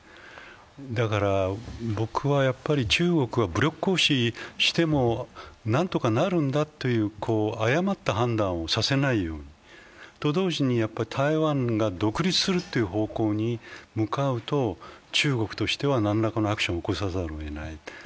だから僕は中国は武力行使しても何とかなるんだという誤った判断をさせないように、と同時に、台湾が独立するという方向に向かうと、中国としては何らかのアクションを起こさざるをえない。